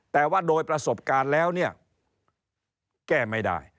แต่ว่าโดยประสบการณ์แล้วเนี่ยแก้ไม่ได้